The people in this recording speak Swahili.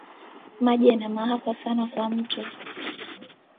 Maji yana mafaha sana kwa muntu